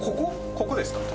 ここですか？